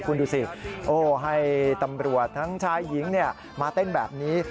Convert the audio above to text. คุณดูสิโอ้ให้ตำรวจทั้งชายหญิงมาเต้นแบบนี้